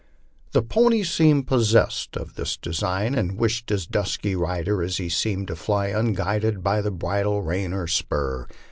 The pony seemed rossessed of the designs and wishes of his dusky rider, as he seemed to fly unguided by bridle, rein, or spur.